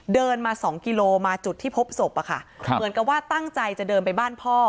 เดินมาสองกิโลมาจุดที่พบศพอะค่ะเหมือนกับว่าตั้งใจจะเดินไปบ้านพ่อ